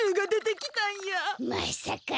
まさか。